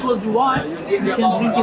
karena anda bisa mencicipinya dengan sedikit rasa